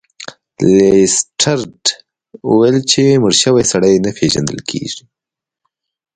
لیسټرډ وویل چې مړ شوی سړی نه پیژندل کیږي.